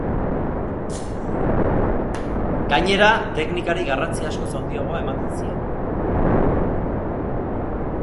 Gainera, teknikari garrantzi askoz handiagoa ematen zion.